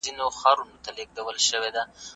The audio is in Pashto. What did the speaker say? د هر پوهنتون خپل ځانګړي اصول او جلا قوانین دي.